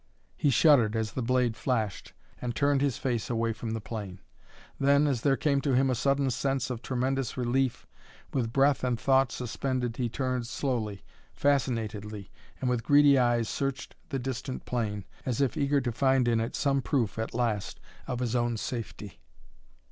He shuddered as the blade flashed, and turned his face away from the plain. Then, as there came to him a sudden sense of tremendous relief, with breath and thought suspended he turned slowly, fascinatedly, and with greedy eyes searched the distant plain, as if eager to find in it some proof, at last, of his own safety.